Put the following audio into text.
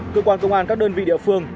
cơ quan công an các đơn vị địa phương